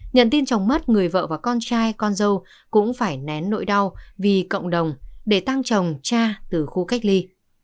nhận tin trong mắt người vợ và con trai con dâu cũng phải nén nỗi đau vì cộng đồng để tăng trồng cha từ khu cách ly